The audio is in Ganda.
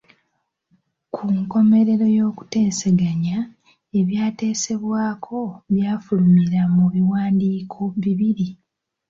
Ku nkomerero y’okuteeseganya, ebyateesebwako byafulumira mu biwandiiko bibiri.